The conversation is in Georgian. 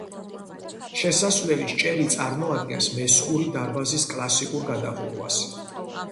შესასვლელის ჭერი წარმოადგენს მესხური დარბაზის კლასიკურ გადახურვას.